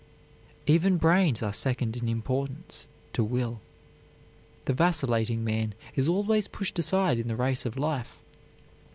Even brains are second in importance to will. The vacillating man is always pushed aside in the race of life.